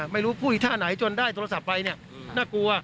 ไม่รู้พูดอีกท่าไหนจนได้โทรศัพท์ไปเนี่ยน่ากลัว